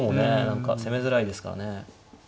何か攻めづらいですからね。